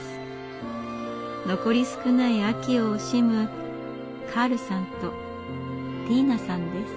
残り少ない秋を惜しむカールさんとティ−ナさんです。